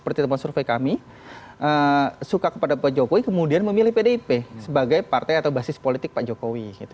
pertemuan survei kami suka kepada pak jokowi kemudian memilih pdip sebagai partai atau basis politik pak jokowi